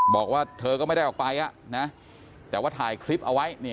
บอกว่าเธอก็ไม่ได้ออกไปแต่ว่าถ่ายคลิปเอาไว้